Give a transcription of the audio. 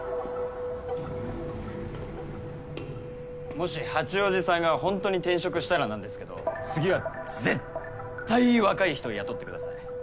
もし八王子さんがほんとに転職したらなんですけど次は絶対若い人を雇ってください。